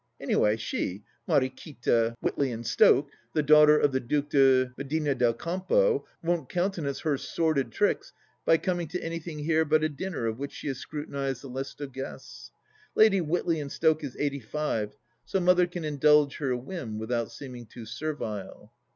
Any way she, Mariquita Witley and Stoke, the daughter of the Due de Medina del Campo, won't countenance her sordid tricks by coming to anything here but a dinner of which she has scrutinized the list of guests. Lady Witley and Stoke is eighty five, so Mother can indulge her whim without seeming too servile.